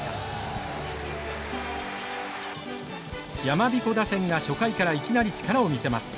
やまびこ打線が初回からいきなり力を見せます。